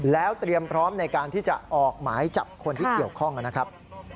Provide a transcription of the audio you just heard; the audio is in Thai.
แล้วเตรียมพร้อมในการที่จะออกหมายจับคนที่เกี่ยวข้องนะครับ